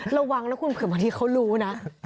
ระวังนะคุณเผื่อบางทีเขารู้นะ